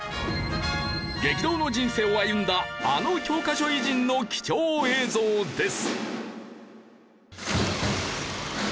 激動の人生を歩んだあの教科書偉人の貴重映像です。